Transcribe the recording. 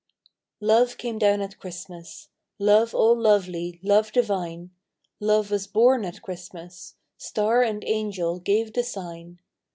Love came down at Christmas, Love all lovely, Love Divine, Love was born at Christmas, Star and' Angel gave the sign.